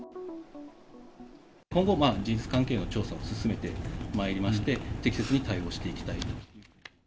今後事実関係の調査を進めてまいりまして、適切に対応していきたいと。